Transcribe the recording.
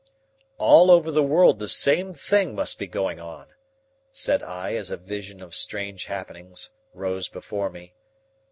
"All over the world the same thing must be going on," said I as a vision of strange happenings rose before me.